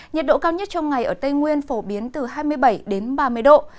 nhiệt độ cao nhất trong ngày ở tây nguyên phổ biến từ hai mươi bảy đến ba mươi độ